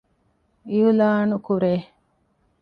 އިޢްލާނު ކުރޭ